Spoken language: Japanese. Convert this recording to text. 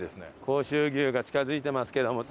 甲州牛が近付いてますけども。